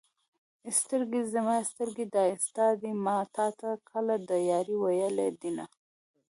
سترګې زما سترګې دا ستا دي ما تا ته کله د يارۍ ویلي دینه